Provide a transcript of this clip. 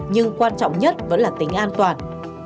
nhưng quan trọng nhất vẫn là tính an toàn